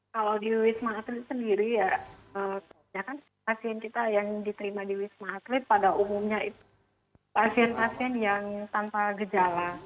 kalau di wisma atlet sendiri ya kan pasien kita yang diterima di wisma atlet pada umumnya itu pasien pasien yang tanpa gejala